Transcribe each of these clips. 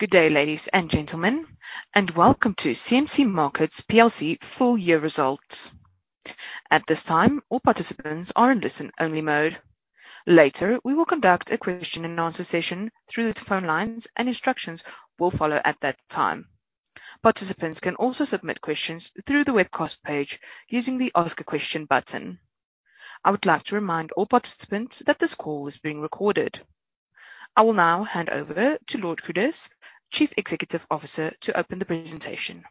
Good day, ladies and gentlemen, welcome to CMC Markets plc full year results. At this time, all participants are in listen-only mode. Later, we will conduct a question-and-answer session through the phone lines, and instructions will follow at that time. Participants can also submit questions through the webcast page using the Ask a Question button. I would like to remind all participants that this call is being recorded. I will now hand over to Lord Cruddas, Chief Executive Officer, to open the presentation.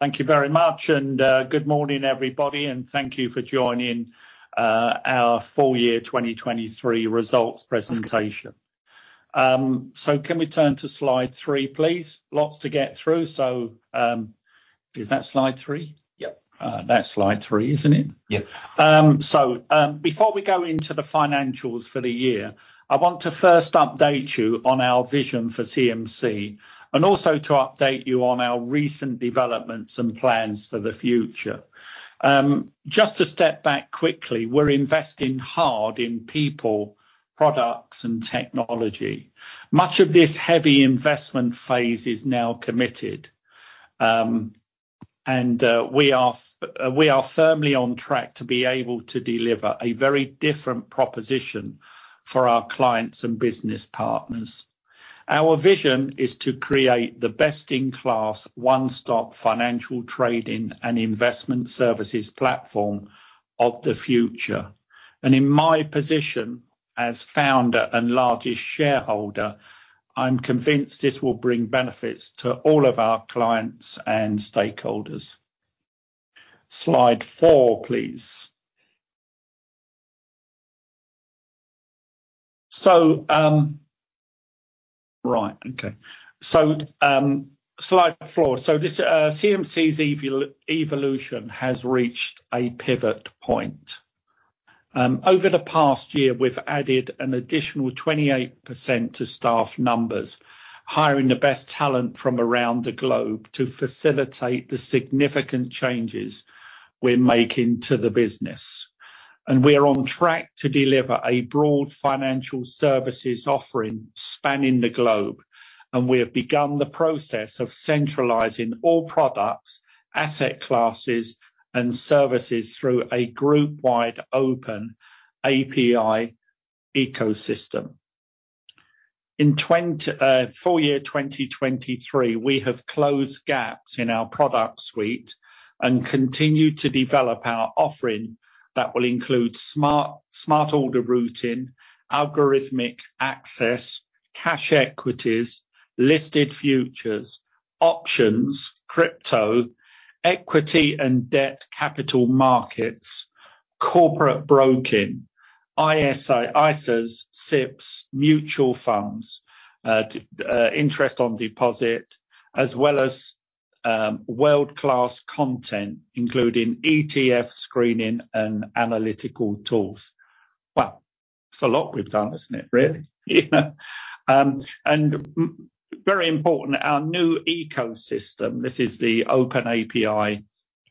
Thank you very much, and good morning, everybody, and thank you for joining our full year 2023 results presentation. Can we turn to slide three, please? Lots to get through. Is that slide three? That's slide three, isn't it? Yep. Before we go into the financials for the year, I want to first update you on our vision for CMC and also to update you on our recent developments and plans for the future. Just to step back quickly, we're investing hard in people, products, and technology. Much of this heavy investment phase is now committed, and we are firmly on track to be able to deliver a very different proposition for our clients and business partners. Our vision is to create the best-in-class, one-stop financial trading and investment services platform of the future. In my position as founder and largest shareholder, I'm convinced this will bring benefits to all of our clients and stakeholders. Slide four, please. Slide four. This, CMC's evolution has reached a pivot point. Over the past year, we've added an additional 28% to staff numbers, hiring the best talent from around the globe to facilitate the significant changes we're making to the business. We're on track to deliver a broad financial services offering spanning the globe, and we have begun the process of centralizing all products, asset classes, and services through a group-wide Open API ecosystem. In full year 2023, we have closed gaps in our product suite and continued to develop our offering that will include smart order routing, algorithmic access, cash equities, listed futures, options, crypto, equity and debt capital markets, corporate broking, ISAs, SIPPs, mutual funds, interest on deposit, as well as world-class content, including ETF screening and analytical tools. Wow. It's a lot we've done, isn't it, really? You know, very important, our new ecosystem, this is the Open API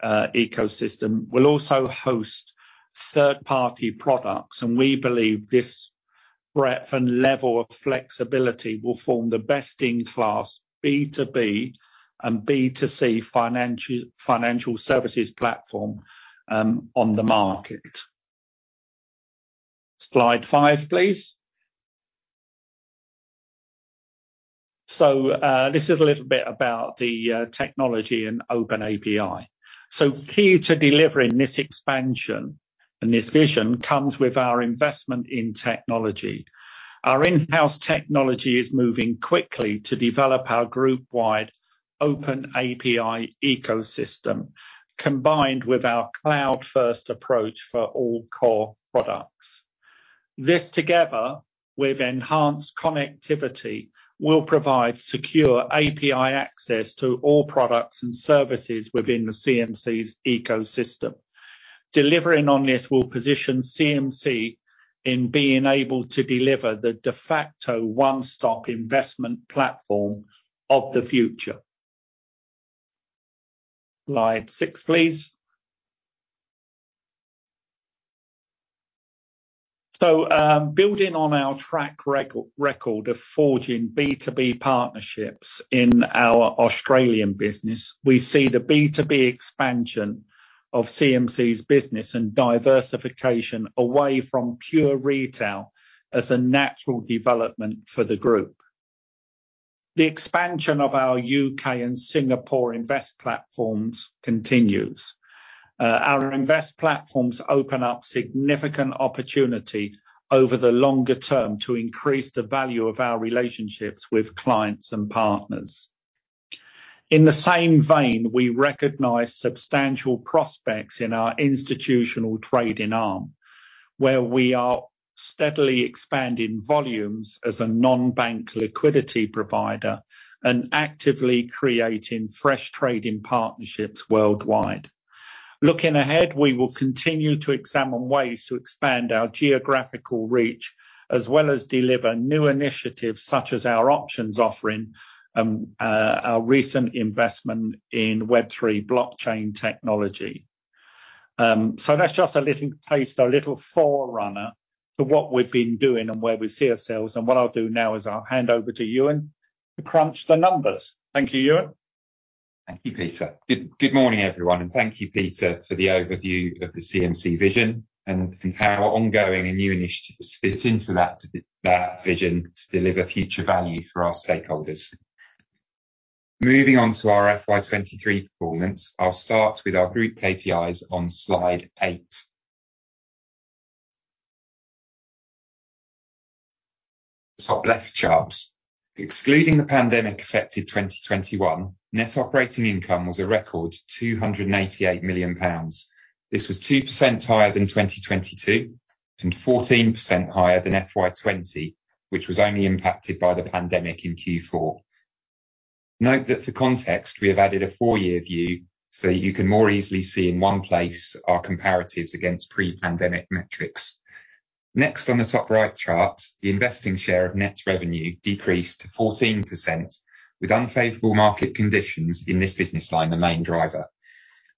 ecosystem, will also host third-party products. We believe this breadth and level of flexibility will form the best-in-class B2B and B2C financial services platform on the market. Slide five, please. This is a little bit about the technology and Open API. Key to delivering this expansion and this vision comes with our investment in technology. Our in-house technology is moving quickly to develop our group-wide Open API ecosystem, combined with our cloud-first approach for all core products. This, together with enhanced connectivity, will provide secure API access to all products and services within the CMC's ecosystem. Delivering on this will position CMC in being able to deliver the de facto one-stop investment platform of the future. Slide six, please. Building on our track record of forging B2B partnerships in our AustralEwan business, we see the B2B expansion of CMC's business and diversification away from pure retail as a natural development for the group. The expansion of our U.K. and Singapore invest platforms continues. Our invest platforms open up significant opportunity over the longer term to increase the value of our relationships with clients and partners. In the same vein, we recognize substantial prospects in our institutional trading arm, where we are steadily expanding volumes as a non-bank liquidity provider and actively creating fresh trading partnerships worldwide. Looking ahead, we will continue to examine ways to expand our geographical reach, as well as deliver new initiatives such as our options offering, our recent investment in Web3 blockchain technology. That's just a little taste, a little forerunner to what we've been doing and where we see ourselves. What I'll do now is I'll hand over to Ewan to crunch the numbers. Thank you, Ewan. Thank you, Peter Cruddas. Good morning, everyone, thank you, Peter Cruddas, for the overview of the CMC Markets plc vision and how our ongoing and new initiatives fit into that vision to deliver future value for our stakeholders. Moving on to our FY23 performance, I'll start with our group KPIs on slide eight. Top left charts. Excluding the pandemic-affected 2021, Net Operating Income was a record 288 million pounds. This was 2% higher than 2022 and 14% higher than FY20, which was only impacted by the pandemic in Q4. Note that for context, we have added a four-year view so that you can more easily see in one place our comparatives against pre-pandemic metrics. Next, on the top right chart, the investing share of net revenue decreased to 14%, with unfavorable market conditions in this business line, the main driver.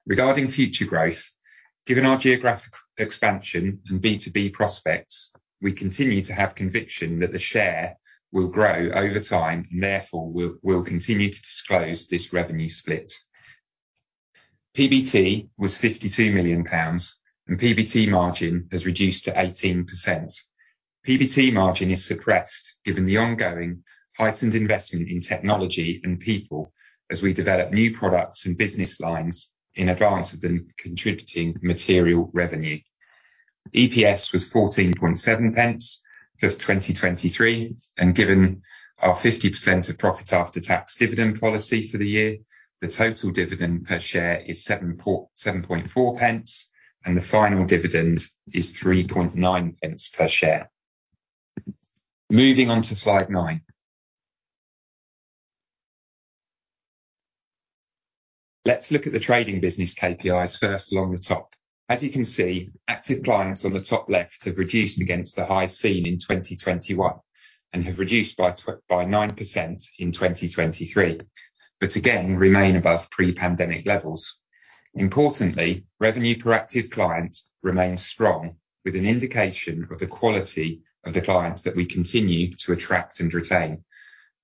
Regarding future growth, given our geographic expansion and B2B prospects, we continue to have conviction that the share will grow over time, therefore, we'll continue to disclose this revenue split. PBT was 52 million pounds, PBT margin has reduced to 18%. PBT margin is suppressed, given the ongoing heightened investment in technology and people as we develop new products and business lines in advance of them contributing material revenue. EPS was 14.7 pence for 2023, Given our 50% of profit after tax dividend policy for the year, the total dividend per share is 7.4 pence, the final dividend is 3.9 pence per share. Moving on to slide nine. Let's look at the trading business KPIs first along the top. As you can see, active clients on the top left have reduced against the high seen in 2021 and have reduced by 9% in 2023. Again, remain above pre-pandemic levels. Importantly, revenue per active client remains strong, with an indication of the quality of the clients that we continue to attract and retain.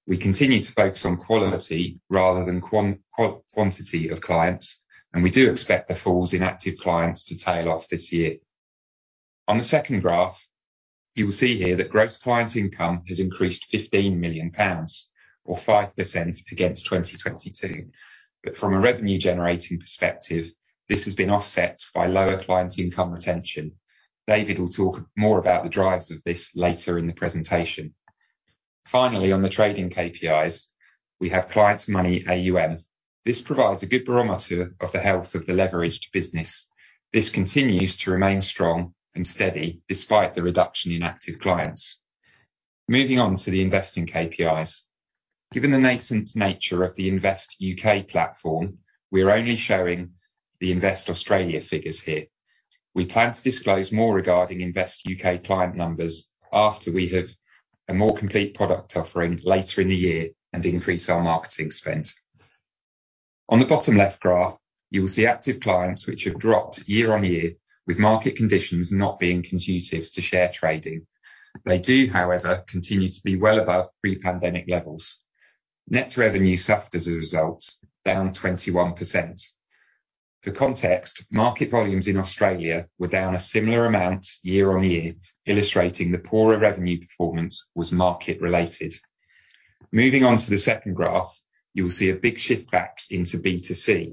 We continue to focus on quality rather than quantity of clients, and we do expect the falls in active clients to tail off this year. On the second graph, you will see here that gross client income has increased 15 million pounds or 5% against 2022. From a revenue-generating perspective, this has been offset by lower client income retention. David will talk more about the drivers of this later in the presentation. Finally, on the trading KPIs, we have client money, AUM. This provides a good barometer of the health of the leveraged business. This continues to remain strong and steady, despite the reduction in active clients. Moving on to the investing KPIs. Given the nascent nature of the Invest U.K. platform, we are only showing the Invest Australia figures here. We plan to disclose more regarding Invest U.K. client numbers after we have a more complete product offering later in the year and increase our marketing spend. On the bottom left graph, you will see active clients, which have dropped year-over-year, with market conditions not being conducive to share trading. They do, however, continue to be well above pre-pandemic levels. Net revenue suffered as a result, down 21%. For context, market volumes in Australia were down a similar amount year-over-year, illustrating the poorer revenue performance was market-related. Moving on to the second graph, you will see a big shift back into B2C.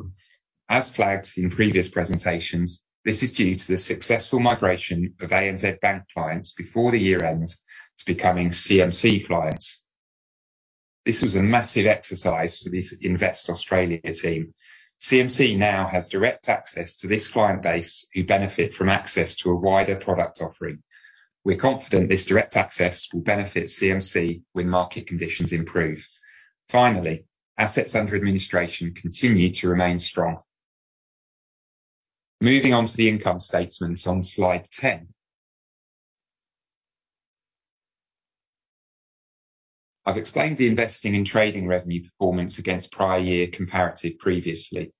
As flagged in previous presentations, this is due to the successful migration of ANZ clients before the year-end to becoming CMC clients. This was a massive exercise for this CMC Invest Australia team. CMC now has direct access to this client base, who benefit from access to a wider product offering. We're confident this direct access will benefit CMC when market conditions improve. Finally, assets under administration continue to remain strong. Moving on to the income statement on slide 10. I've explained the investing and trading revenue performance against prior year comparative previously.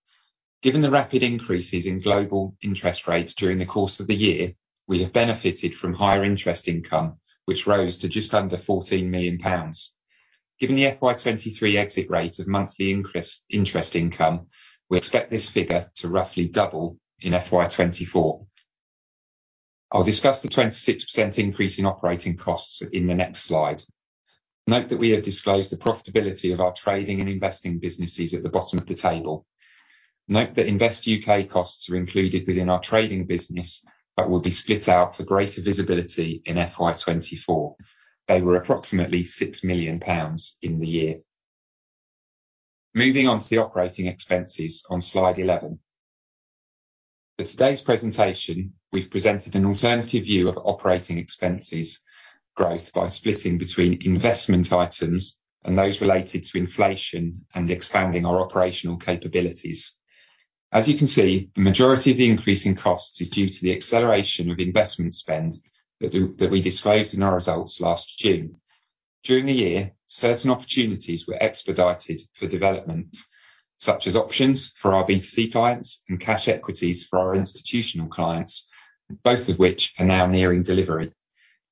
Given the rapid increases in global interest rates during the course of the year, we have benefited from higher interest income, which rose to just under 14 million pounds. Given the FY23 exit rate of monthly interest income, we expect this figure to roughly double in FY24. I'll discuss the 26% increase in operating costs in the next slide. Note that we have disclosed the profitability of our trading and investing businesses at the bottom of the table. Note that Invest U.K. costs are included within our trading business, but will be split out for greater visibility in FY24. They were approximately 6 million pounds in the year. Moving on to the operating expenses on slide 11. For today's presentation, we've presented an alternative view of operating expenses growth by splitting between investment items and those related to inflation and expanding our operational capabilities. As you can see, the majority of the increase in costs is due to the acceleration of investment spend that we disclosed in our results last June. During the year, certain opportunities were expedited for development, such as options for our B2C clients and cash equities for our institutional clients, both of which are now nearing delivery.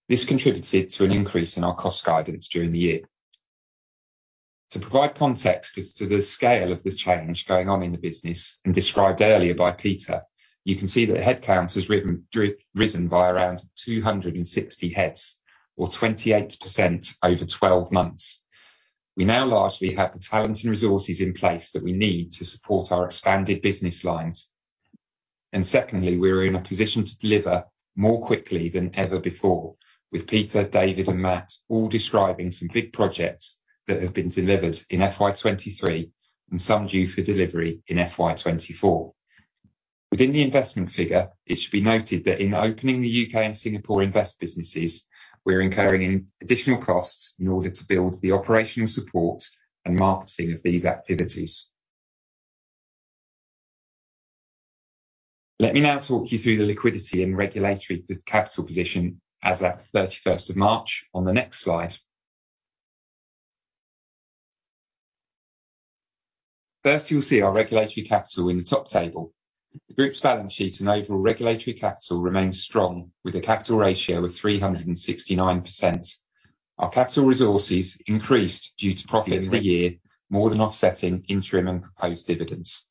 This contributed to an increase in our cost guidance during the year. To provide context as to the scale of this change going on in the business, and described earlier by Peter, you can see that headcount has risen by around 260 heads or 28% over 12 months. We now largely have the talents and resources in place that we need to support our expanded business lines. Secondly, we are in a position to deliver more quickly than ever before, with Peter, David, and Matt all describing some big projects that have been delivered in FY23 and some due for delivery in FY24. Within the investment figure, it should be noted that in opening the U.K. and Singapore Invest businesses, we are incurring in additional costs in order to build the operational support and marketing of these activities. Let me now talk you through the liquidity and regulatory capital position as at 31st of March on the next slide. First, you will see our regulatory capital in the top table. The group's balance sheet and overall regulatory capital remains strong, with a capital ratio of 369%. Our capital resources increased due to profit for the year, more than offsetting interim and proposed dividends.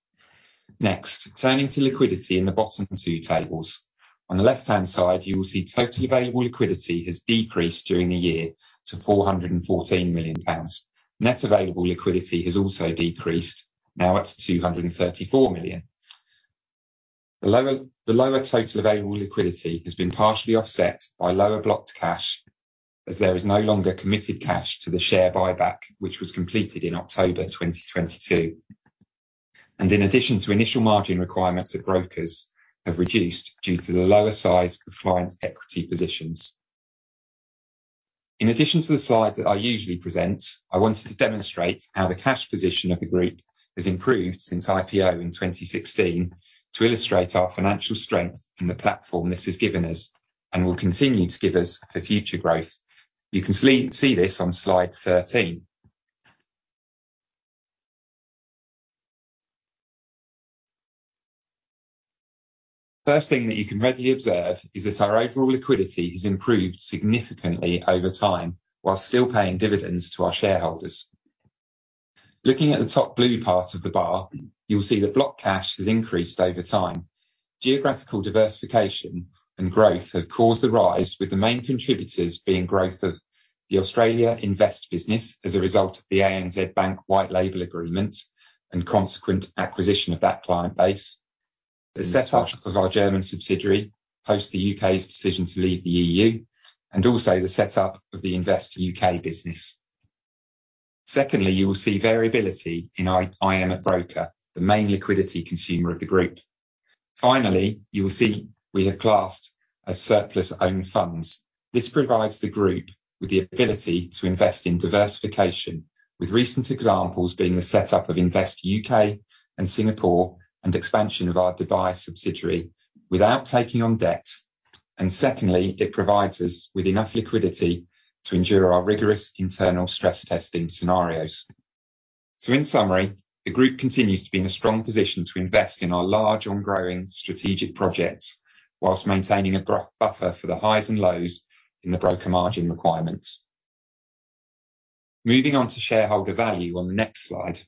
Next, turning to liquidity in the bottom two tables. On the left-hand side, you will see total available liquidity has decreased during the year to 414 million pounds. Net available liquidity has also decreased, now at 234 million. The lower total available liquidity has been partially offset by lower blocked cash, as there is no longer committed cash to the share buyback, which was completed in October 2022. In addition to initial margin requirements of brokers have reduced due to the lower size of client equity positions. In addition to the slide that I usually present, I wanted to demonstrate how the cash position of the group has improved since IPO in 2016, to illustrate our financial strength and the platform this has given us, and will continue to give us for future growth. You can see this on slide 13. First thing that you can readily observe is that our overall liquidity has improved significantly over time, while still paying dividends to our shareholders. Looking at the top blue part of the bar, you will see that blocked cash has increased over time. Geographical diversification and growth have caused the rise, with the main contributors being growth of the Australia Invest business as a result of the ANZ Bank white label agreement and consequent acquisition of that client base. The setup of our German subsidiary post the U.K.'s decision to leave the EU, and also the setup of the Invest U.K. business. You will see variability in IM at Broker, the main liquidity consumer of the group. You will see we have classed as surplus own funds. This provides the group with the ability to invest in diversification, with recent examples being the setup of CMC Invest U.K. and CMC Invest Singapore, and expansion of our Dubai subsidiary without taking on debt. Secondly, it provides us with enough liquidity to endure our rigorous internal stress testing scenarios. In summary, the group continues to be in a strong position to invest in our large on-going strategic projects, whilst maintaining a buffer for the highs and lows in the broker margin requirements. Moving on to shareholder value on the next slide.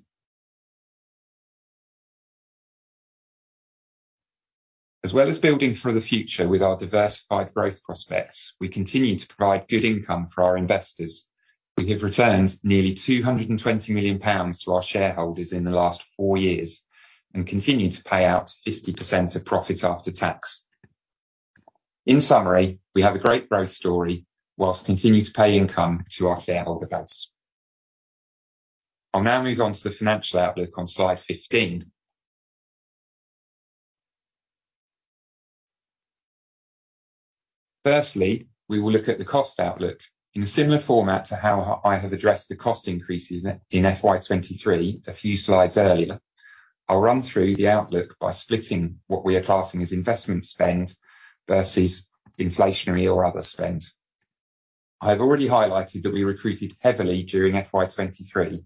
As well as building for the future with our diversified growth prospects, we continue to provide good income for our investors. We give returns nearly 220 million pounds to our shareholders in the last four years and continue to pay out 50% of profit after tax. In summary, we have a great growth story whilst continuing to pay income to our shareholder base. I'll now move on to the financial outlook on slide 15. Firstly, we will look at the cost outlook. In a similar format to how I have addressed the cost increases in FY23, a few slides earlier, I'll run through the outlook by splitting what we are classing as investment spend versus inflationary or other spend. I've already highlighted that we recruited heavily during FY23,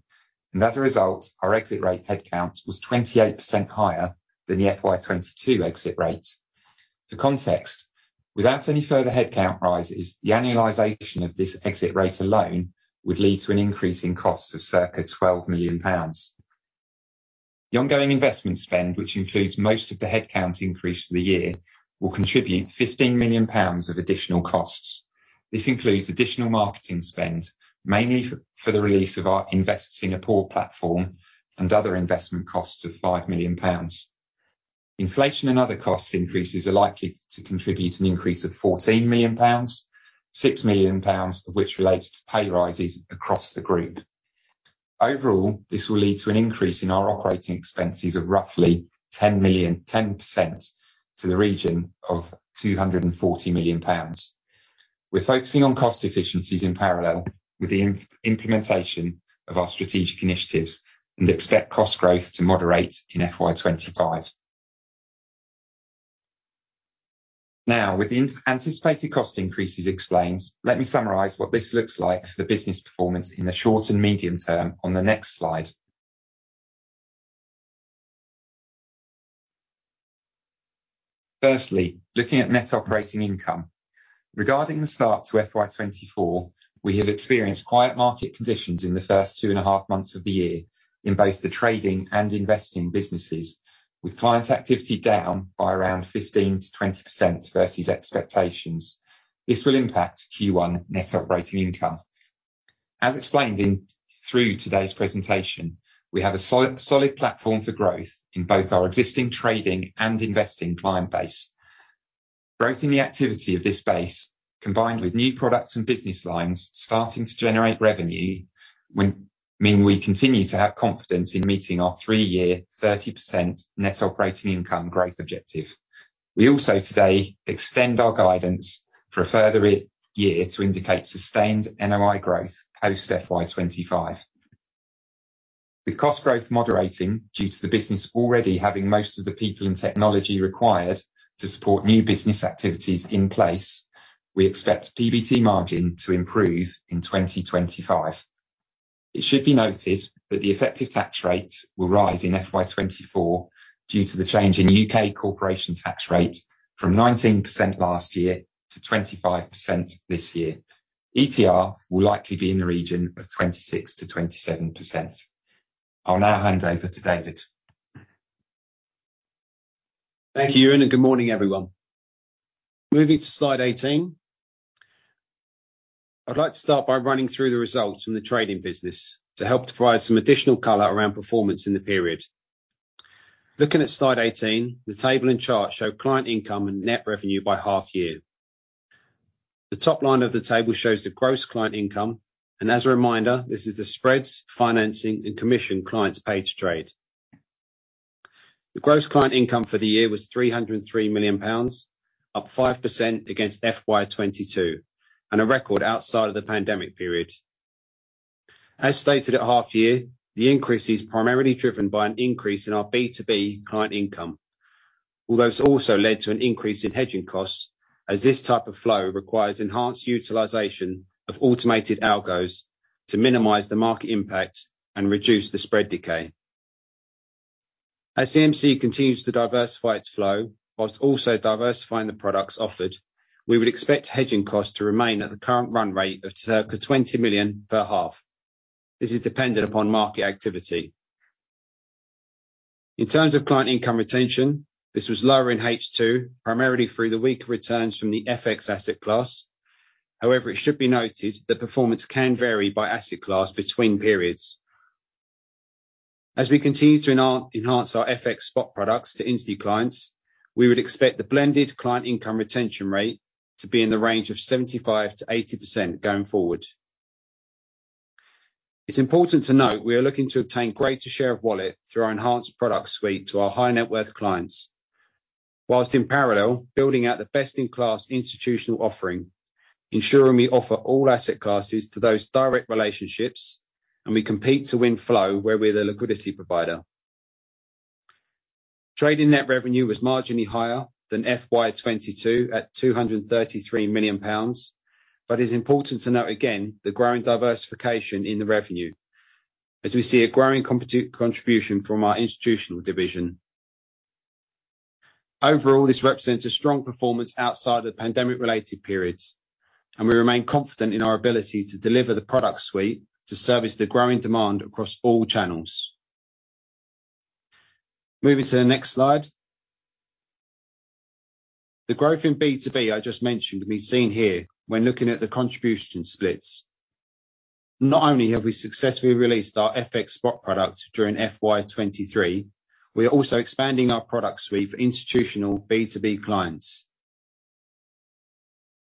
and as a result, our exit rate headcount was 28% higher than the FY22 exit rate. For context, without any further headcount rises, the annualization of this exit rate alone would lead to an increase in costs of circa 12 million pounds. The ongoing investment spend, which includes most of the headcount increase for the year, will contribute 15 million pounds of additional costs. This includes additional marketing spend, mainly for the release of our CMC Invest Singapore platform and other investment costs of 5 million pounds. Inflation and other cost increases are likely to contribute an increase of 14 million pounds, 6 million pounds of which relates to pay rises across the group. Overall, this will lead to an increase in our operating expenses of roughly 10% to the region of 240 million pounds. We're focusing on cost efficiencies in parallel with the implementation of our strategic initiatives and expect cost growth to moderate in FY25. With the anticipated cost increases explained, let me summarize what this looks like for the business performance in the short and medium term on the next slide. Firstly, looking at net operating income. Regarding the start to FY24, we have experienced quiet market conditions in the first two and a half months of the year in both the trading and investing businesses, with client activity down by around 15%-20% versus expectations. This will impact Q1 net operating income. As explained through today's presentation, we have a solid platform for growth in both our existing trading and investing client base. Growth in the activity of this base, combined with new products and business lines starting to generate revenue, mean we continue to have confidence in meeting our three-year, 30% net operating income growth objective. We also today extend our guidance for a further year to indicate sustained NOI growth post FY25. With cost growth moderating due to the business already having most of the people and technology required to support new business activities in place, we expect PBT margin to improve in 2025. It should be noted that the effective tax rate will rise in FY24 due to the change in U.K. corporation tax rate from 19% last year to 25% this year. ETR will likely be in the region of 26%-27%. I'll now hand over to David. Thank you, Ewan. Good morning, everyone. Moving to slide 18, I'd like to start by running through the results from the trading business to help to provide some additional color around performance in the period. Looking at slide 18, the table and chart show client income and net revenue by half year. The top line of the table shows the gross client income, and as a reminder, this is the spreads, financing, and commission clients pay to trade. The gross client income for the year was 303 million pounds, up 5% against FY22, and a record outside of the pandemic period. As stated at half year, the increase is primarily driven by an increase in our B2B client income, although it's also led to an increase in hedging costs, as this type of flow requires enhanced utilization of automated algos to minimize the market impact and reduce the spread decay. As CMC continues to diversify its flow while also diversifying the products offered, we would expect hedging costs to remain at the current run rate of circa 20 million per half. This is dependent upon market activity. In terms of client income retention, this was lower in H2, primarily through the weaker returns from the FX asset class. However, it should be noted that performance can vary by asset class between periods. As we continue to enhance our FX Spot products to institute clients, we would expect the blended client income retention rate to be in the range of 75%-80% going forward. It's important to note, we are looking to obtain greater share of wallet through our enhanced product suite to our high net worth clients, whilst in parallel, building out the best-in-class institutional offering, ensuring we offer all asset classes to those direct relationships, and we compete to win flow where we're the liquidity provider. Trading net revenue was marginally higher than FY22, at 233 million pounds. It's important to note again, the growing diversification in the revenue, as we see a growing contribution from our institutional division. Overall, this represents a strong performance outside of the pandemic-related periods, and we remain confident in our ability to deliver the product suite to service the growing demand across all channels. Moving to the next slide. The growth in B2B I just mentioned can be seen here when looking at the contribution splits. Not only have we successfully released our FX Spot product during FY23, we are also expanding our product suite for institutional B2B clients.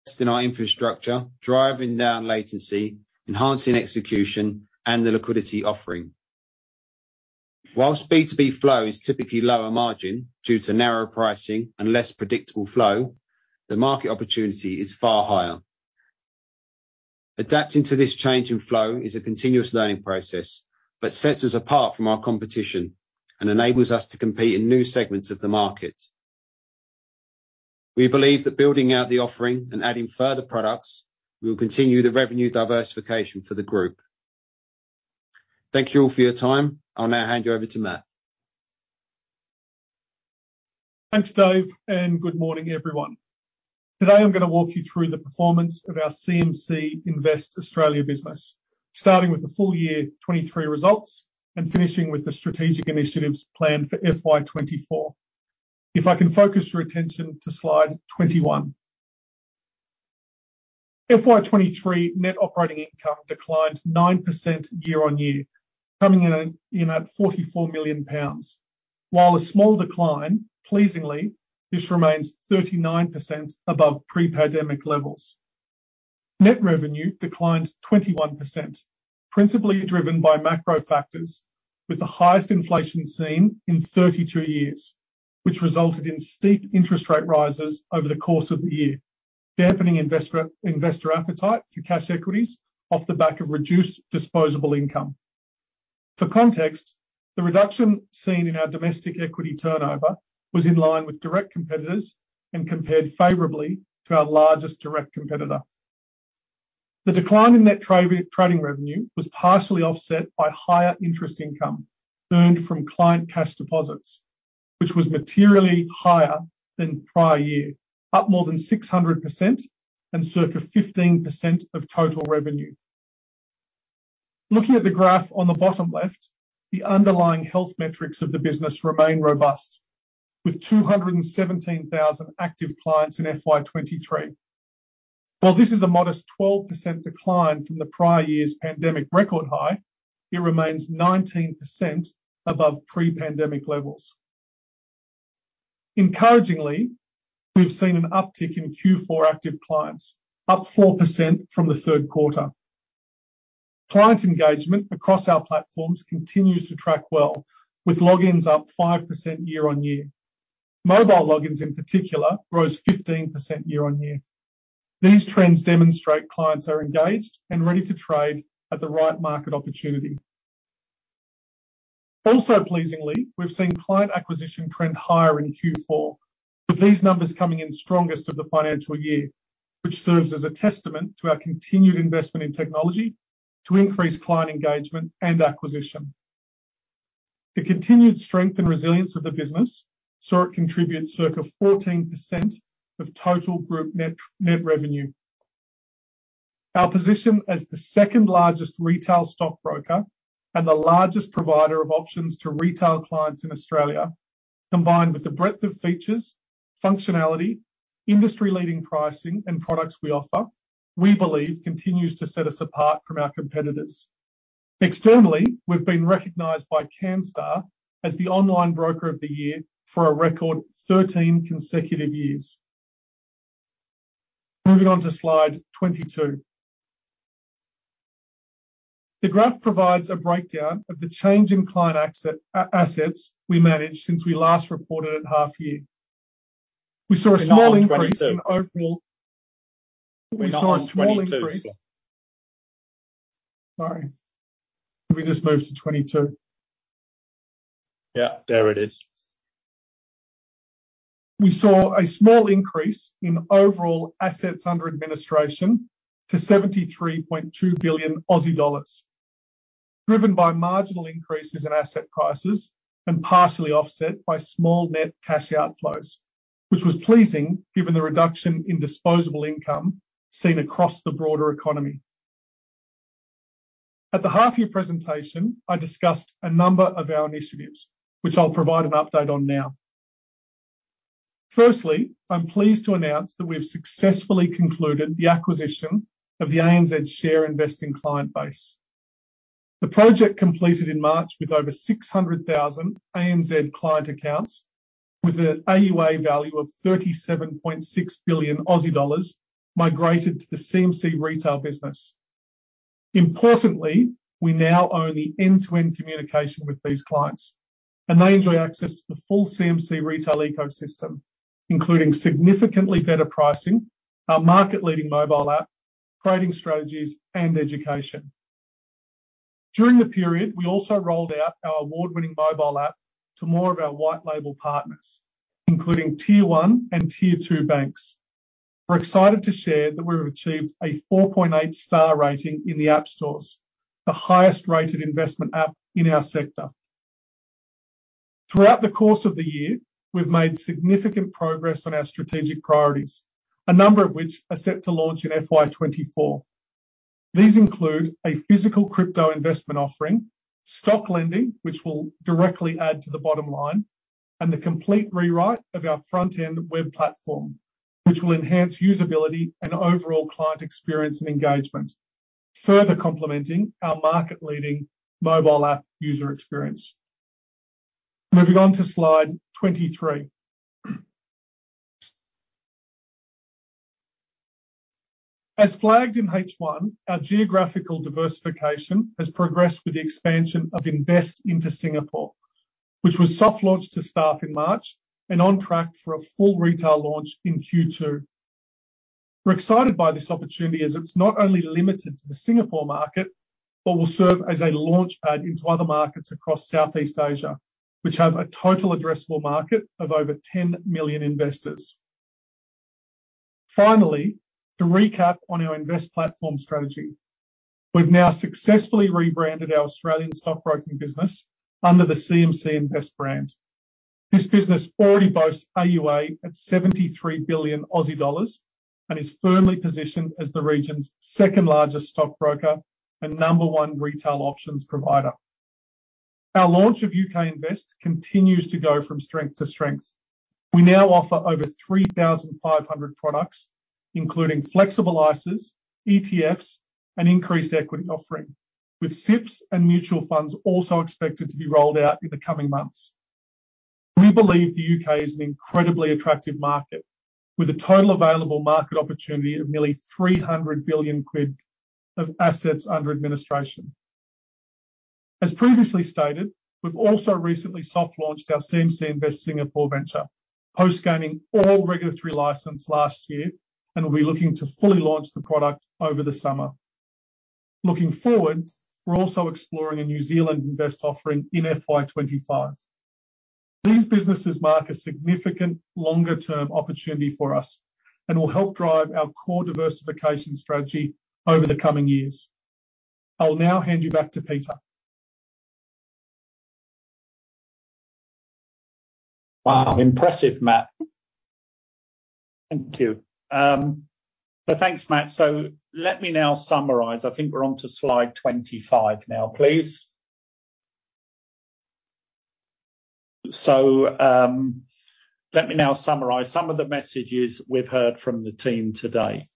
Investing in our infrastructure, driving down latency, enhancing execution, and the liquidity offering. Whilst B2B flow is typically lower margin due to narrower pricing and less predictable flow, the market opportunity is far higher. Adapting to this change in flow is a continuous learning process, but sets us apart from our competition and enables us to compete in new segments of the market. We believe that building out the offering and adding further products will continue the revenue diversification for the group. Thank you all for your time. I'll now hand you over to Matt. Thanks, Dave. Good morning, everyone. Today, I'm going to walk you through the performance of our CMC Invest Australia business, starting with the full year 2023 results and finishing with the strategic initiatives planned for FY24. If I can focus your attention to slide 21. FY23 net operating income declined 9% year-on-year, coming in at 44 million pounds. While a small decline, pleasingly, this remains 39% above pre-pandemic levels. Net revenue declined 21%, principally driven by macro factors, with the highest inflation seen in 32 years, which resulted in steep interest rate rises over the course of the year, dampening investor appetite for cash equities off the back of reduced disposable income. For context, the reduction seen in our domestic equity turnover was in line with direct competitors and compared favorably to our largest direct competitor. The decline in net trading revenue was partially offset by higher interest income earned from client cash deposits, which was materially higher than prior year, up more than 600% and circa 15% of total revenue. Looking at the graph on the bottom left, the underlying health metrics of the business remain robust, with 217,000 active clients in FY23. While this is a modest 12% decline from the prior year's pandemic record high, it remains 19% above pre-pandemic levels. Encouragingly, we've seen an uptick in Q4 active clients, up 4% from the third quarter. Client engagement across our platforms continues to track well, with logins up 5% year-on-year. Mobile logins, in particular, rose 15% year-on-year. These trends demonstrate clients are engaged and ready to trade at the right market opportunity. Pleasingly, we've seen client acquisition trend higher in Q4, with these numbers coming in strongest of the financial year, which serves as a testament to our continued investment in technology to increase client engagement and acquisition. The continued strength and resilience of the business saw it contribute circa 14% of total group net revenue. Our position as the second-largest retail stockbroker and the largest provider of options to retail clients in Australia, combined with the breadth of features, functionality, industry-leading pricing, and products we offer, we believe, continues to set us apart from our competitors. Externally, we've been recognized by Canstar as the Online Broker of the Year for a record 13 consecutive years. Moving on to slide 22. The graph provides a breakdown of the change in client assets we managed since we last reported at half year. We're not on 22. We're not on 22. Sorry. Can we just move to 22? Yeah, there it is. We saw a small increase in overall assets under administration to 73.2 billion Aussie dollars, driven by marginal increases in asset prices and partially offset by small net cash outflows, which was pleasing given the reduction in disposable income seen across the broader economy. At the half-year presentation, I discussed a number of our initiatives, which I'll provide an update on now. Firstly, I'm pleased to announce that we've successfully concluded the acquisition of the ANZ Share Investing client base. The project completed in March with over 600,000 ANZ client accounts, with an AUA value of 37.6 billion Aussie dollars migrated to the CMC retail business. Importantly, we now own the end-to-end communication with these clients, and they enjoy access to the full CMC retail ecosystem, including significantly better pricing, our market-leading mobile app, trading strategies, and education. During the period, we also rolled out our award-winning mobile app to more of our white label partners, including Tier 1 and Tier 2 banks. We're excited to share that we've achieved a 4.8 star rating in the App Stores, the highest-rated investment app in our sector. Throughout the course of the year, we've made significant progress on our strategic priorities, a number of which are set to launch in FY24. These include a physical crypto investment offering, stock lending, which will directly add to the bottom line, and the complete rewrite of our front-end web platform, which will enhance usability and overall client experience and engagement, further complementing our market-leading mobile app user experience. Moving on to slide 23. As flagged in H1, our geographical diversification has progressed with the expansion of Invest into Singapore, which was soft launched to staff in March and on track for a full retail launch in Q2. We're excited by this opportunity, as it's not only limited to the Singapore market, but will serve as a launchpad into other markets across Southeast Asia, which have a total addressable market of over 10 million investors. Finally, to recap on our Invest platform strategy, we've now successfully rebranded our AustralEwan stockbroking business under the CMC Invest brand. This business already boasts AUA at 73 billion Aussie dollars and is firmly positioned as the region's second-largest stockbroker and number one retail options provider. Our launch of U.K. Invest continues to go from strength to strength. We now offer over 3,500 products, including flexible ISAs, ETFs, and increased equity offering, with SIPs and mutual funds also expected to be rolled out in the coming months. We believe the U.K. is an incredibly attractive market, with a total available market opportunity of nearly 300 billion quid of assets under administration. As previously stated, we've also recently soft launched our CMC Invest Singapore venture, post gaining all regulatory license last year, and we'll be looking to fully launch the product over the summer. Looking forward, we're also exploring a New Zealand invest offering in FY25. These businesses mark a significant longer-term opportunity for us and will help drive our core diversification strategy over the coming years. I'll now hand you back to Peter. Wow. Impressive, Matt. Thank you. Thanks, Matt. Let me now summarize. I think we're on to slide 25 now, please. Let me now summarize some of the messages we've heard from the team today.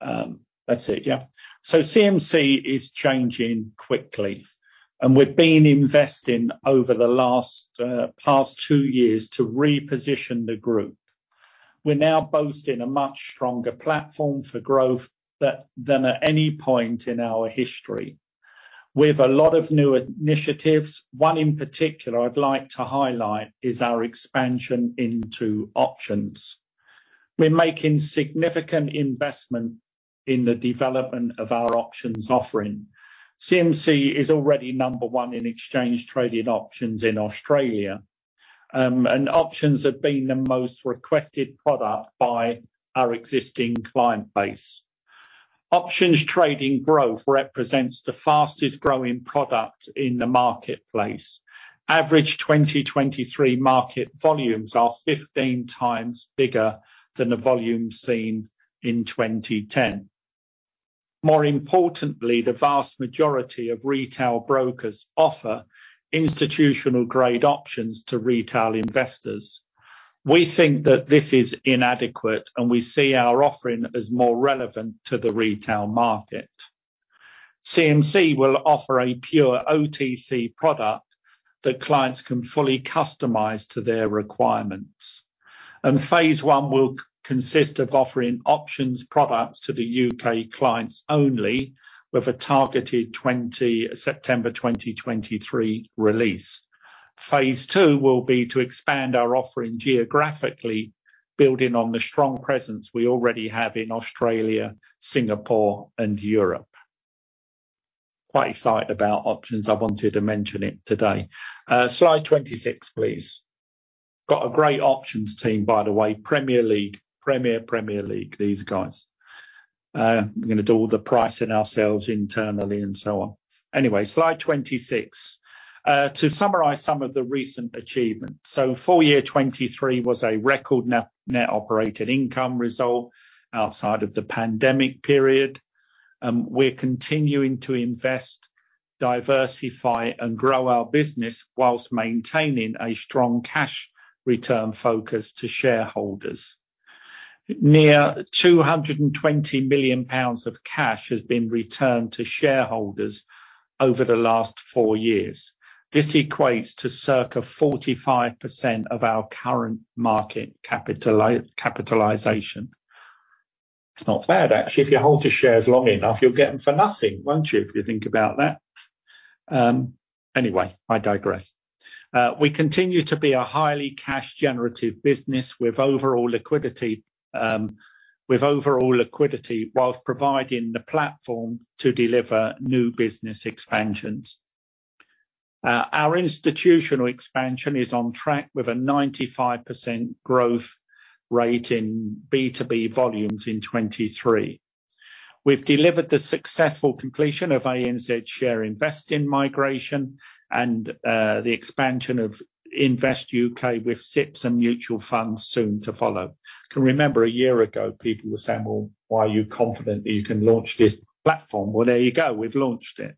That's it, yeah. CMC is changing quickly, and we've been investing over the last past two years to reposition the group. We're now boasting a much stronger platform for growth than at any point in our history. We have a lot of new initiatives. One in particular I'd like to highlight is our expansion into options. We're making significant investment in the development of our options offering. CMC is already number one in exchange trading options in Australia, and options have been the most requested product by our existing client base. Options trading growth represents the fastest growing product in the marketplace. Average 2023 market volumes are 15x bigger than the volume seen in 2010. More importantly, the vast majority of retail brokers offer institutional-grade options to retail investors. We think that this is inadequate. We see our offering as more relevant to the retail market. CMC will offer a pure OTC product that clients can fully customize to their requirements. Phase I will consist of offering options products to the U.K. clients only, with a targeted September 2023 release. Phase II will be to expand our offering geographically, building on the strong presence we already have in Australia, Singapore, and Europe. Quite excited about options. I wanted to mention it today. Slide 26, please. Got a great options team, by the way. Premier League. Premier League, these guys. We're gonna do all the pricing ourselves internally and so on. Slide 26. To summarize some of the recent achievements, full year 2023 was a record net operated income result outside of the pandemic period. We're continuing to invest, diversify, and grow our business while maintaining a strong cash return focus to shareholders. Near 220 million pounds of cash has been returned to shareholders over the last four years. This equates to circa 45% of our current market capitalization. It's not bad, actually. If you hold your shares long enough, you'll get them for nothing, won't you, if you think about that? I digress. We continue to be a highly cash-generative business, with overall liquidity, while providing the platform to deliver new business expansions. Our institutional expansion is on track, with a 95% growth rate in B2B volumes in 2023. We've delivered the successful completion of ANZ Share Investing migration and the expansion of Invest U.K. with SIPs and mutual funds soon to follow. I can remember a year ago, people were saying, "Well, why are you confident that you can launch this platform?" Well, there you go. We've launched it.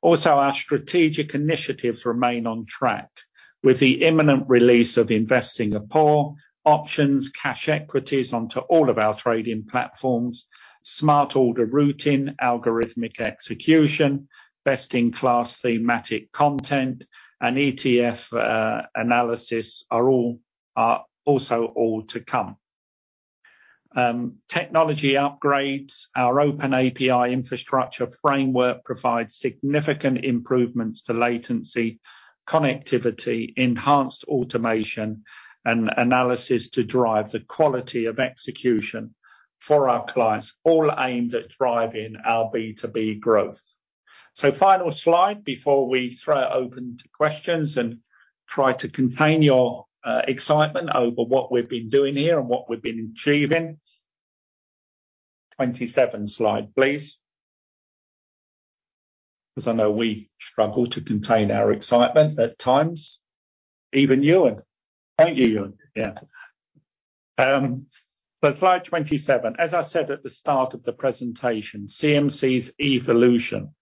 Also, our strategic initiatives remain on track with the imminent release of Invest Singapore, options, cash equities onto all of our trading platforms, smart order routing, algorithmic execution, best-in-class thematic content, and ETF analysis are also all to come. Technology upgrades, our OpenAPI infrastructure framework provides significant improvements to latency, connectivity, enhanced automation, and analysis to drive the quality of execution for our clients, all aimed at driving our B2B growth. Final slide before we throw it open to questions and try to contain your excitement over what we've been doing here and what we've been achieving. 27 slide, please. I know we struggle to contain our excitement at times, even you, aren't you, Ewan? Yeah. Slide 27. As I said at the start of the presentation, CMC's evolution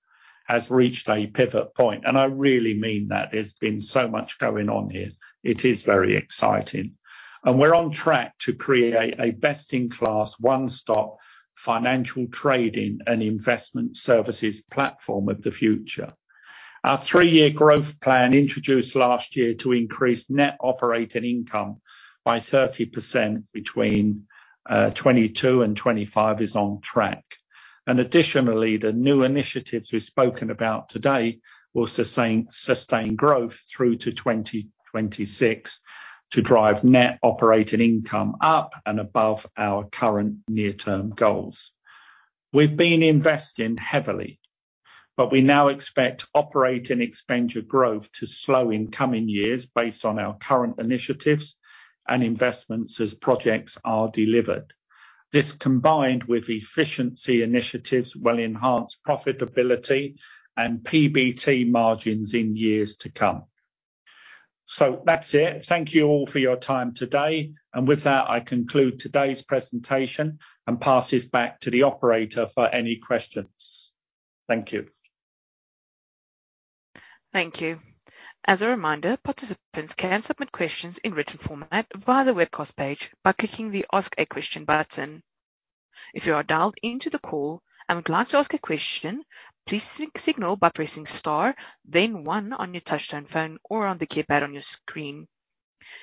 has reached a pivot point, and I really mean that. There's been so much going on here. It is very exciting, and we're on track to create a best-in-class, one-stop financial trading and investment services platform of the future. Our three-year growth plan, introduced last year to increase net operating income by 30% between 2022 and 2025, is on track. Additionally, the new initiatives we've spoken about today will sustain growth through to 2026 to drive net operating income up and above our current near-term goals. We've been investing heavily, but we now expect operating expenditure growth to slow in coming years based on our current initiatives and investments as projects are delivered. This, combined with efficiency initiatives, will enhance profitability and PBT margins in years to come. That's it. Thank you all for your time today, With that, I conclude today's presentation and pass this back to the operator for any questions. Thank you. Thank you. As a reminder, participants can submit questions in written format via the webcast page by clicking the Ask a Question button. If you are dialed into the call and would like to ask a question, please signal by pressing star, then one on your touchtone phone or on the keypad on your screen.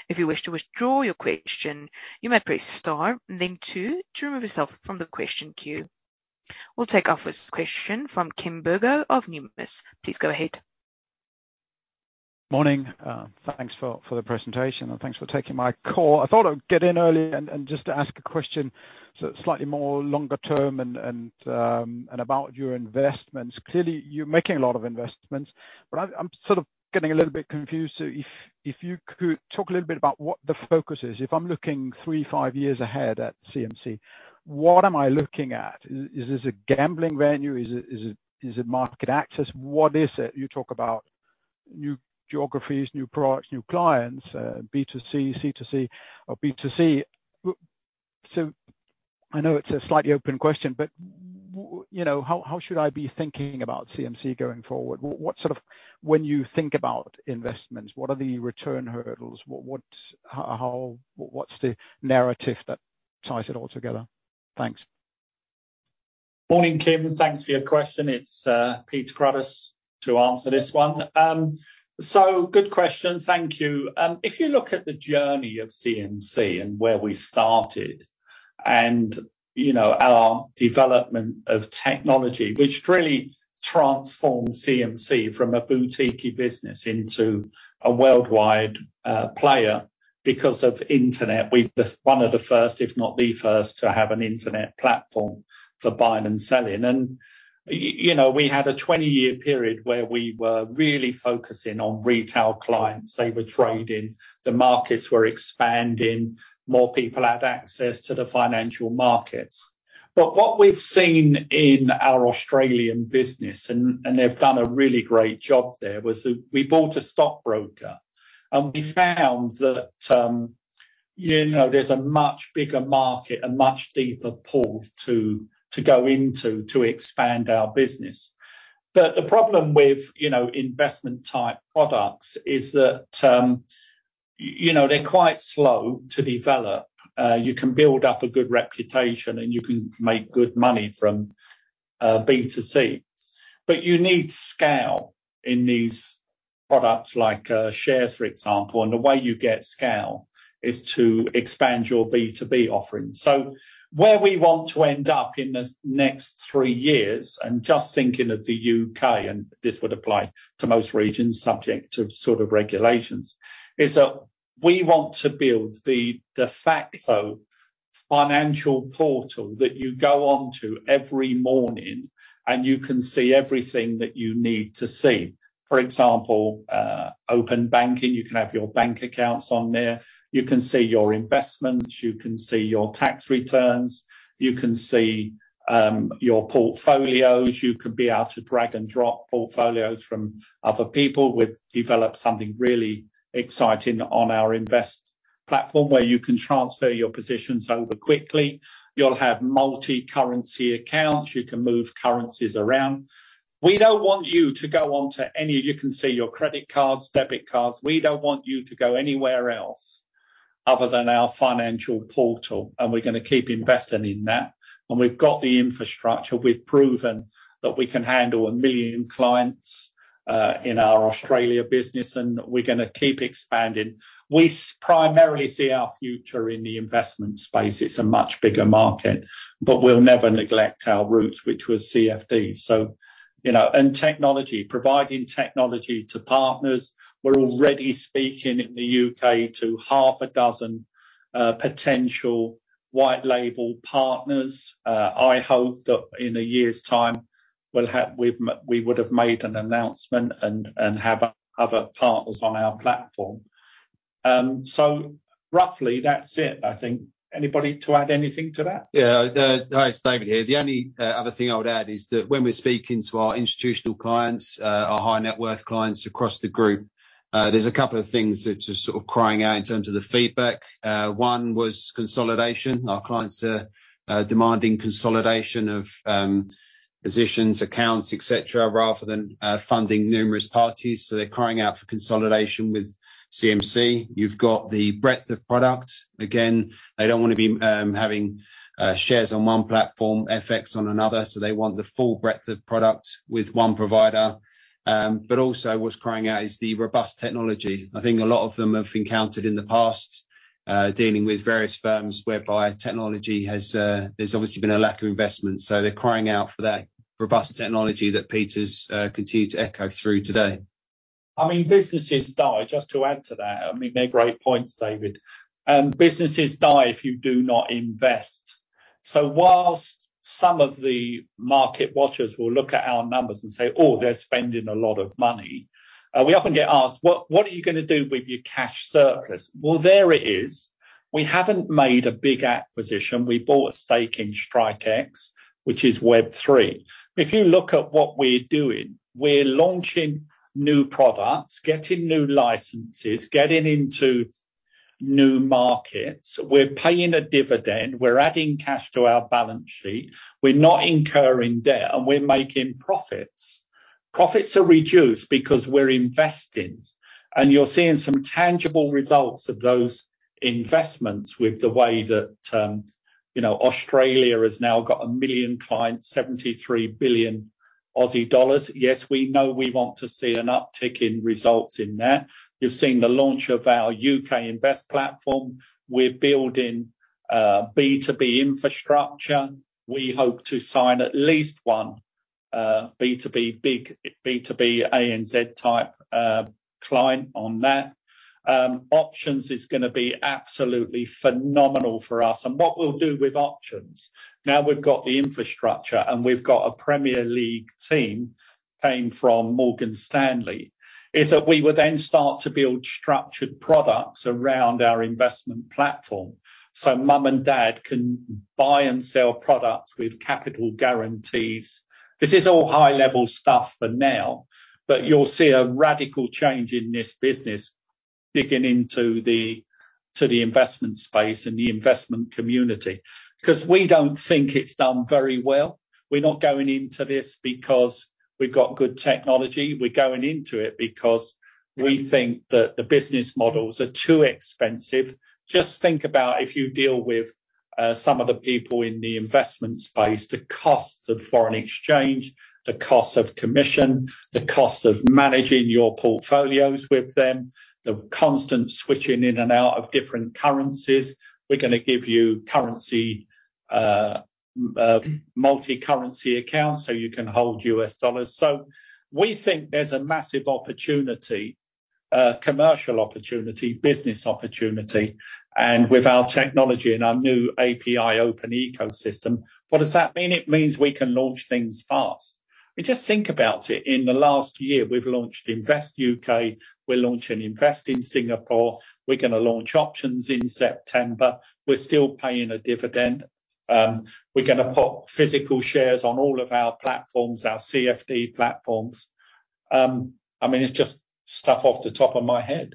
If you wish to withdraw your question, you may press star, then two to remove yourself from the question queue. We'll take our first question fromKim Bergo of Numis. Please go ahead. Morning. Thanks for the presentation, and thanks for taking my call. I thought I'd get in early and just to ask a question, slightly more longer term and about your investments. Clearly, you're making a lot of investments, but I'm sort of getting a little bit confused. If you could talk a little bit about what the focus is, if I'm looking three, five years ahead at CMC, what am I looking at? Is this a gambling venue? Is it market access? What is it? You talk about new geographies, new products, new clients, B2C, C to C or B2C. I know it's a slightly open question, but you know, how should I be thinking about CMC going forward? When you think about investments, what are the return hurdles? What's the narrative that ties it all together? Thanks. Morning, Kim. Thanks for your question. It's Peter Cruddas to answer this one. Good question. Thank you. If you look at the journey of CMC and where we started and, you know, our development of technology, which really transformed CMC from a boutiquey business into a worldwide player, because of internet. We're the one of the first, if not the first, to have an internet platform for buying and selling. you know, we had a 20-year period where we were really focusing on retail clients. They were trading, the markets were expanding, more people had access to the financial markets. What we've seen in our AustralEwan business, and they've done a really great job there, was that we bought a stockbroker, and we found that, you know, there's a much bigger market, a much deeper pool to go into to expand our business. The problem with, you know, investment type products is that, you know, they're quite slow to develop. You can build up a good reputation, and you can make good money from B2C, but you need scale in these products, like shares, for example, and the way you get scale is to expand your B2B offering. Where we want to end up in the next three years, and just thinking of the U.K., and this would apply to most regions, subject to sort of regulations, is that we want to build the de facto financial portal that you go on to every morning, and you can see everything that you need to see. For example, open banking. You can have your bank accounts on there. You can see your investments. You can see your tax returns. You can see your portfolios. You could be able to drag and drop portfolios from other people. We've developed something really exciting on our invest platform, where you can transfer your positions over quickly. You'll have multicurrency accounts. You can move currencies around. You can see your credit cards, debit cards. We don't want you to go anywhere else other than our financial portal, we're gonna keep investing in that. We've got the infrastructure. We've proven that we can handle 1 million clients in our Australia business, and we're gonna keep expanding. We primarily see our future in the investment space. It's a much bigger market, but we'll never neglect our roots, which was CFD, so, you know, and technology, providing technology to partners. We're already speaking in the U.K. to half a dozen potential white label partners. I hope that in a year's time, we would have made an announcement and have other partners on our platform. Roughly, that's it, I think. Anybody to add anything to that? Hi, it's David here. The only other thing I would add is that when we're speaking to our institutional clients, our high-net-worth clients across the group, there's a couple of things that are sort of crying out in terms of the feedback. One was consolidation. Our clients are demanding consolidation of positions, accounts, et cetera, rather than funding numerous parties. They're crying out for consolidation with CMC. You've got the breadth of product. Again, they don't wanna be having shares on one platform, FX on another, so they want the full breadth of product with one provider. Also what's crying out is the robust technology. I think a lot of them have encountered in the past, dealing with various firms, whereby technology has, there's obviously been a lack of investment, so they're crying out for that robust technology that Peter's continued to echo through today. I mean, businesses die. Just to add to that, I mean, they're great points, David. Businesses die if you do not invest. Whilst some of the market watchers will look at our numbers and say, "Oh, they're spending a lot of money," we often get asked, "What are you going to do with your cash surplus?" Well, there it is. We haven't made a big acquisition. We bought a stake in StrikeX, which is Web3. If you look at what we're doing, we're launching new products, getting new licenses, getting into new markets. We're paying a dividend, we're adding cash to our balance sheet, we're not incurring debt, and we're making profits. Profits are reduced because we're investing, and you're seeing some tangible results of those investments with the way that, you know, Australia has now got 1 million clients, 73 billion Aussie dollars. Yes, we know we want to see an uptick in results in there. You've seen the launch of our U.K. Invest platform. We're building B2B infrastructure. We hope to sign at least one B2B, big B2B, ANZ-type client on that. Options is gonna be absolutely phenomenal for us. What we'll do with Options, now we've got the infrastructure and we've got a Premier League team came from Morgan Stanley, is that we will then start to build structured products around our investment platform, so mom and dad can buy and sell products with capital guarantees. This is all high-level stuff for now, but you'll see a radical change in this business digging into the investment space and the investment community. We don't think it's done very well. We're not going into this because we've got good technology. We're going into it because we think that the business models are too expensive. Just think about if you deal with some of the people in the investment space, the costs of foreign exchange, the cost of commission, the cost of managing your portfolios with them, the constant switching in and out of different currencies. We're gonna give you currency, multi-currency accounts, so you can hold U.S. dollars. We think there's a massive opportunity, commercial opportunity, business opportunity, and with our technology and our new API open ecosystem. What does that mean? It means we can launch things fast. I mean, just think about it. In the last year, we've launched Invest U.K., we're launching Invest in Singapore, we're gonna launch Options in September, we're still paying a dividend. We're gonna pop physical shares on all of our platforms, our CFD platforms. I mean, it's just stuff off the top of my head.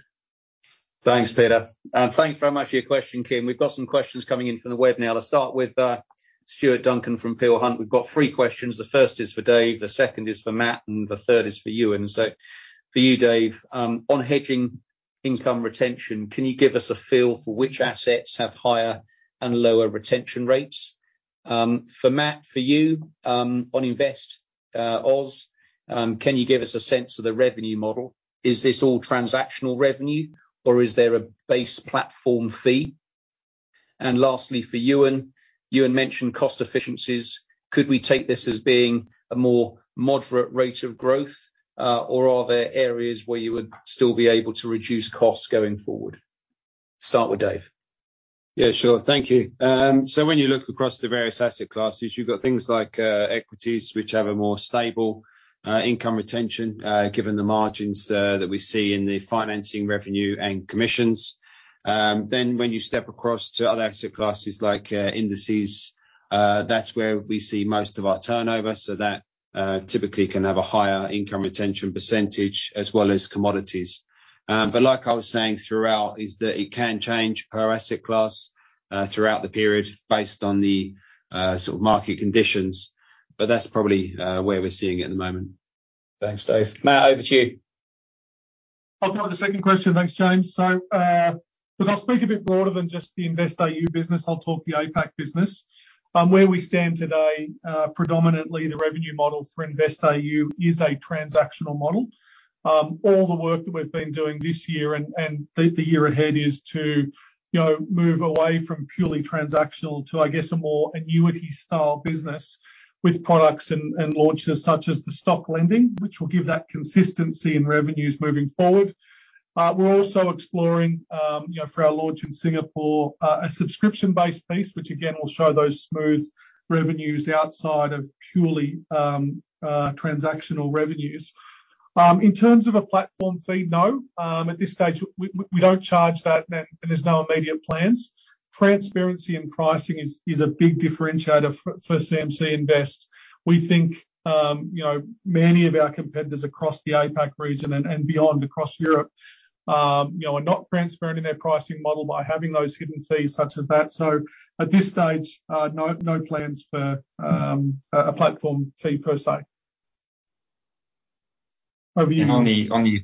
Thanks, Peter, thanks very much for your question, Kim. We've got some questions coming in from the web now. Let's start with Stuart Duncan from Peel Hunt. We've got three questions. The first is for Dave, the second is for Matt, and the third is for Ewan. For you, Dave, on hedging income retention, can you give us a feel for which assets have higher and lower retention rates? For Matt, for you, on Invest Oz, can you give us a sense of the revenue model? Is this all transactional revenue, or is there a base platform fee? Lastly, for Ewan mentioned cost efficiencies. Could we take this as being a more moderate rate of growth, or are there areas where you would still be able to reduce costs going forward? Start with Dave. Yeah, sure. Thank you. When you look across the various asset classes, you've got things like equities, which have a more stable income retention, given the margins that we see in the financing revenue and commissions. When you step across to other asset classes like indices, that's where we see most of our turnover, so that typically can have a higher income retention percentage as well as commodities. Like I was saying throughout, is that it can change per asset class throughout the period based on the sort of market conditions, but that's probably where we're seeing it at the moment. Thanks, Dave. Matt, over to you. I'll take the second question. Thanks, James. But I'll speak a bit broader than just the Invest AU business. I'll talk the APAC business. Where we stand today, predominantly the revenue model for Invest AU is a transactional model. All the work that we've been doing this year and the year ahead is to, you know, move away from purely transactional to, I guess, a more annuity-style business with products and launches, such as the stock lending, which will give that consistency in revenues moving forward. We're also exploring, you know, for our launch in Singapore, a subscription-based piece, which again, will show those smooth revenues outside of purely transactional revenues. In terms of a platform fee, no. At this stage, we don't charge that, and there's no immediate plans. Transparency in pricing is a big differentiator for CMC Invest. We think, you know, many of our competitors across the APAC region and beyond, across Europe, you know, are not transparent in their pricing model by having those hidden fees such as that. At this stage, no plans for a platform fee per se. Over to you.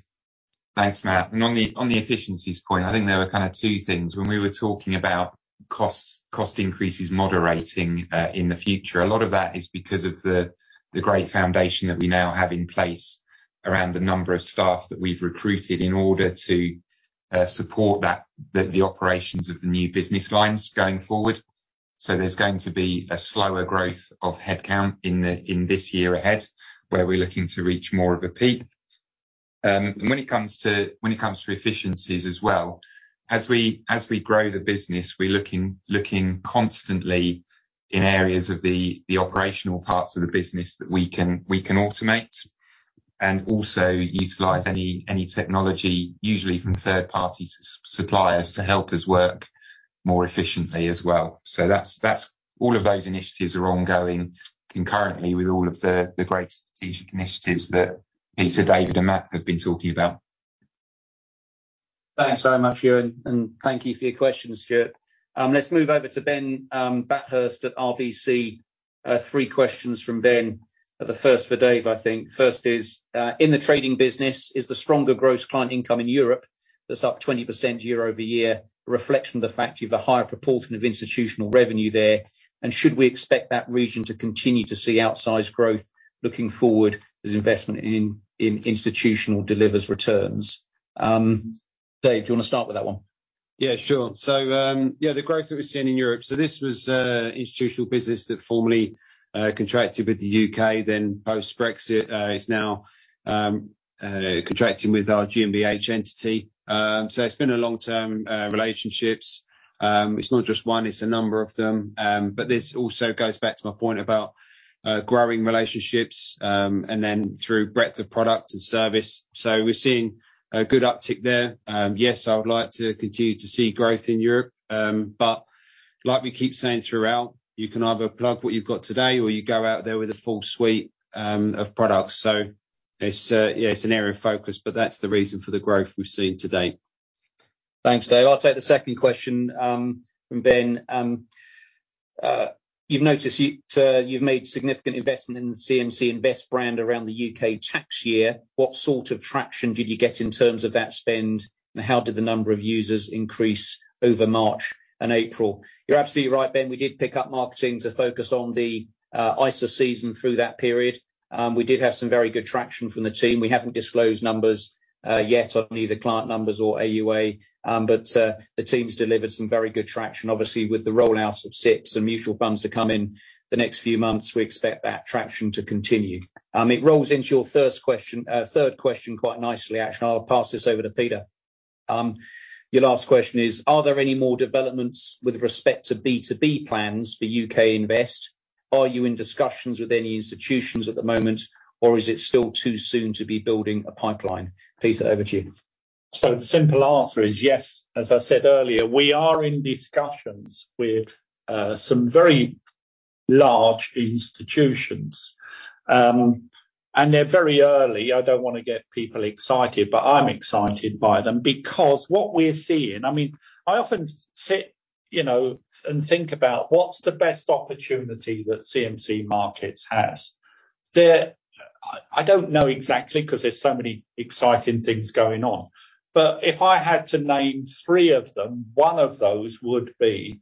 Thanks, Matt, on the efficiencies point, I think there are kinda two things. When we were talking about costs, cost increases moderating, in the future, a lot of that is because of the great foundation that we now have in place around the number of staff that we've recruited in order to support that, the operations of the new business lines going forward. There's going to be a slower growth of headcount in this year ahead, where we're looking to reach more of a peak. When it comes to efficiencies as well, as we grow the business, we're looking constantly in areas of the operational parts of the business that we can automate, and also utilize any technology, usually from third-party suppliers, to help us work more efficiently as well. That's all of those initiatives are ongoing concurrently with all of the great strategic initiatives that Peter, David, and Matt have been talking about. Thanks very much, Ewan, and thank you for your questions, Stuart. Let's move over to Ben Bathurst at RBC. Three questions from Ben. The first for Dave, I think. First is, "In the trading business, is the stronger gross client income in Europe that's up 20% year-over-year, a reflection of the fact you've a higher proportion of institutional revenue there? Should we expect that region to continue to see outsized growth looking forward as investment in institutional delivers returns?" Dave, do you wanna start with that one? Yeah, sure. The growth that we're seeing in Europe, this was institutional business that formerly contracted with the U.K., then post-Brexit, is now contracting with our GmbH entity. It's been a long-term relationships. It's not just one, it's a number of them. This also goes back to my point about growing relationships and then through breadth of product and service. We're seeing a good uptick there. Yes, I would like to continue to see growth in Europe. Like we keep saying throughout, you can either plug what you've got today, or you go out there with a full suite of products. It's, yeah, it's an area of focus, but that's the reason for the growth we've seen today. Thanks, Dave. I'll take the second question from Ben. You've noticed you've made significant investment in the CMC Invest brand around the U.K. tax year. What sort of traction did you get in terms of that spend, and how did the number of users increase over March and April? You're absolutely right, Ben. We did pick up marketing to focus on the ISA season through that period. We did have some very good traction from the team. We haven't disclosed numbers yet on either client numbers or AUA. The team's delivered some very good traction. Obviously, with the rollout of SIPPs and mutual funds to come in the next few months, we expect that traction to continue. It rolls into your first question, third question quite nicely, actually. I'll pass this over to Peter. Your last question is: Are there any more developments with respect to B2B plans for UK Invest? Are you in discussions with any institutions at the moment, or is it still too soon to be building a pipeline? Peter, over to you. The simple answer is yes. As I said earlier, we are in discussions with some very large institutions. They're very early. I don't wanna get people excited, but I'm excited by them because what we're seeing... I mean, I often sit, you know, and think about: What's the best opportunity that CMC Markets has? I don't know exactly 'cause there's so many exciting things going on. If I had to name three of them, one of those would be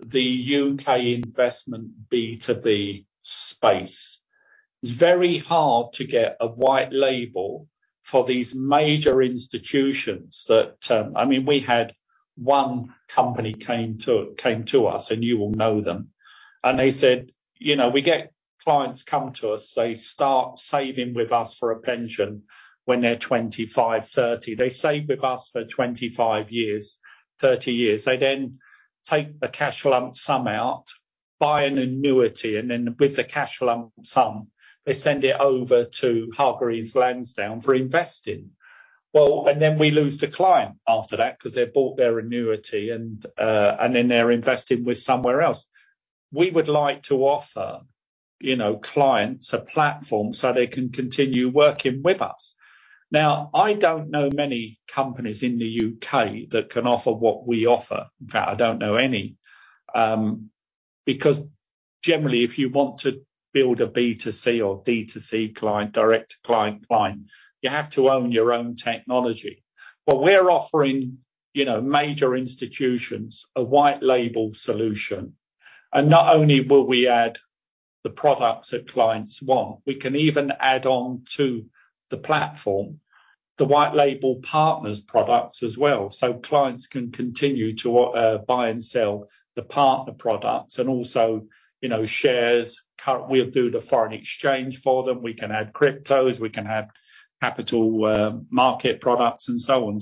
the U.K. investment B2B space. It's very hard to get a white label for these major institutions that... I mean, we had one company came to us, and you will know them. They said, "You know, we get clients come to us. They start saving with us for a pension when they're 25, 30. They save with us for 25 years, 30 years. They then take a cash lump sum out, buy an annuity, then with the cash lump sum, they send it over to Hargreaves Lansdown for investing. Then we lose the client after that 'cause they've bought their annuity, and then they're investing with somewhere else." We would like to offer, you know, clients a platform so they can continue working with us. I don't know many companies in the U.K. that can offer what we offer. In fact, I don't know any. Generally, if you want to build a B2C or D2C client, direct client-client, you have to own your own technology. We're offering, you know, major institutions a white label solution, and not only will we add the products that clients want, we can even add on to the platform, the white label partners products as well, so clients can continue to buy and sell the partner products and also, you know, shares. We'll do the foreign exchange for them. We can add cryptos. We can add capital market products, and so on.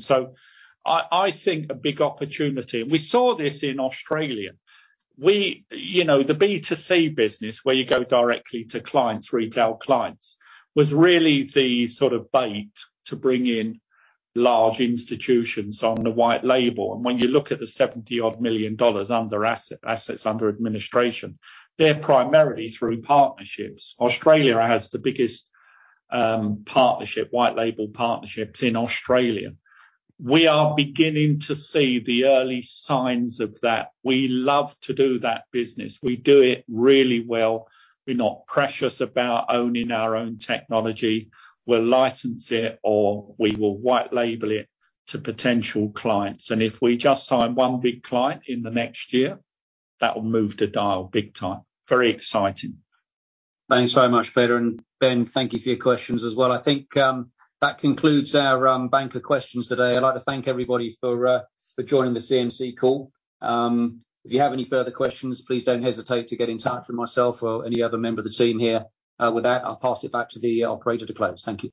I think a big opportunity, and we saw this in Australia. You know, the B2C business, where you go directly to clients, retail clients, was really the sort of bait to bring in large institutions on the white label. When you look at the 70-odd million dollars under asset, assets under administration, they're primarily through partnerships. Australia has the biggest partnership, white label partnerships in Australia. We are beginning to see the early signs of that. We love to do that business. We do it really well. We're not precious about owning our own technology. We'll license it, or we will white label it to potential clients, and if we just sign one big client in the next year, that will move the dial big time. Very exciting. Thanks very much, Peter, and Ben, thank you for your questions as well. I think that concludes our banker questions today. I'd like to thank everybody for joining the CMC call. If you have any further questions, please don't hesitate to get in touch with myself or any other member of the team here. With that, I'll pass it back to the operator to close. Thank you.